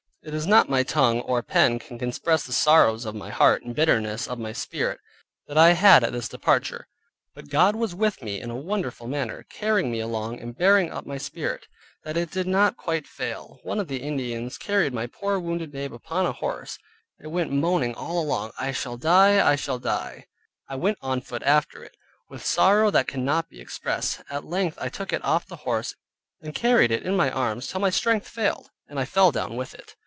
It is not my tongue, or pen, can express the sorrows of my heart, and bitterness of my spirit that I had at this departure: but God was with me in a wonderful manner, carrying me along, and bearing up my spirit, that it did not quite fail. One of the Indians carried my poor wounded babe upon a horse; it went moaning all along, "I shall die, I shall die." I went on foot after it, with sorrow that cannot be expressed. At length I took it off the horse, and carried it in my arms till my strength failed, and I fell down with it.